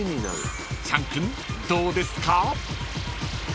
［チャン君どうですか？］